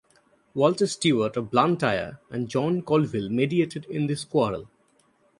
Walter Stewart of Blantyre and John Colville mediated in this quarrel.